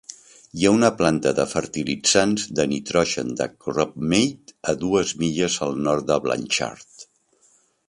Hi ha una planta de fertilitzants de nitrogen de Cropmate a dues milles al nord de Blanchard.